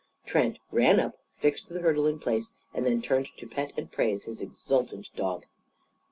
Trent ran up, fixed the hurdle in place, and then turned to pet and praise his exultant dog.